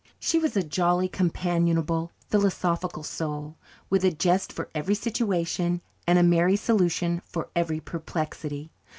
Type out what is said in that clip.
She was a jolly, companionable, philosophical soul, with a jest for every situation, and a merry solution for every perplexity.